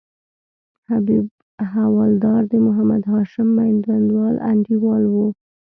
حبیب حوالدار د محمد هاشم میوندوال انډیوال وو.